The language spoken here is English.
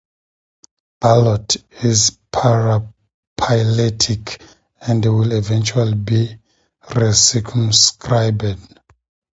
"Ballota" is paraphyletic and will eventually be re-circumscribed.